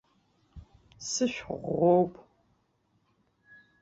Сышә ӷәӷәоуп.